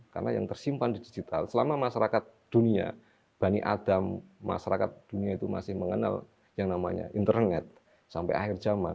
karena yang tersimpan di digital selama masyarakat dunia bani adam masyarakat dunia itu masih mengenal yang namanya internet sampai akhir zaman